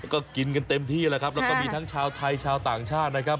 ก็กินกันเต็มที่แล้วครับแล้วก็มีทั้งชาวไทยชาวต่างชาตินะครับ